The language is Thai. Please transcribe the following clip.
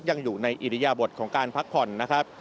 ยังอยู่ในอิริยบทของการพักผ่อนนะครับ